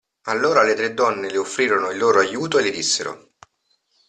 Allora le tre donne le offrirono il loro aiuto e le dissero.